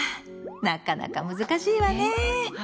なかなか難しいわねぇ。